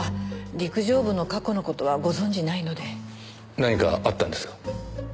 何かあったんですか？